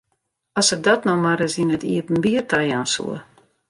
As se dat no mar ris yn it iepenbier tajaan soe!